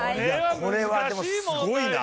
これはでもすごいな。